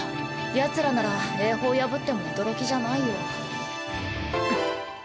やつらなら英邦破っても驚きじゃないよ。